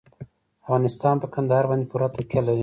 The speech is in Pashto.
افغانستان په کندهار باندې پوره تکیه لري.